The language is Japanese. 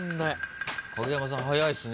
影山さん早いっすね。